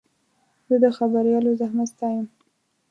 زه د خبریالانو زحمت ستایم.